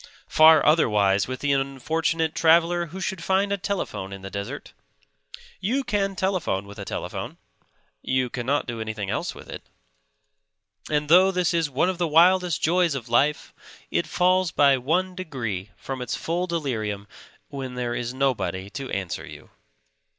Far otherwise with the unfortunate traveller who should find a telephone in the desert. You can telephone with a telephone; you cannot do anything else with it. And though this is one of the wildest joys of life, it falls by one degree from its full delirium when there is nobody to answer you.